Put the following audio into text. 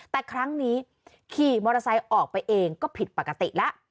แต่ครั้งนี้ขี่มอเตอร์ไซค์ออกไปเองก็ผิดปกติแล้ว